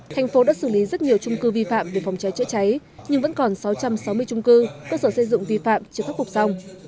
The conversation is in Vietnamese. thành phố đã xử lý rất nhiều trung cư vi phạm về phòng cháy chữa cháy nhưng vẫn còn sáu trăm sáu mươi trung cư cơ sở xây dựng vi phạm chưa khắc phục xong